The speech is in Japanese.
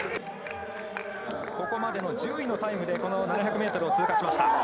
ここまでの１０位のタイムで７００ｍを通過しました。